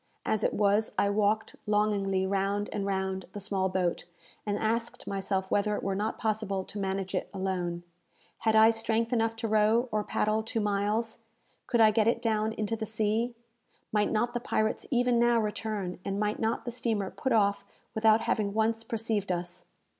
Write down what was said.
As it was, I walked longingly round and round the small boat, and asked myself whether it were not possible to manage it alone. Had I strength enough to row or paddle two miles? Could I get it down into the sea? Might not the pirates even now return, and might not the steamer put off without having once perceived us?